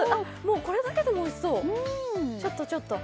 これだけでもおいしそう。